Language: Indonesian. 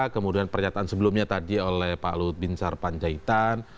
kemudian pernyataan sebelumnya tadi oleh pak ludwinsar panjaitan